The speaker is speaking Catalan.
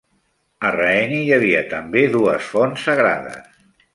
A Raheny hi havia també dues fonts sagrades.